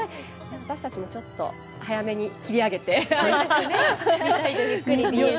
私たちもちょっと、早めに切り上げて。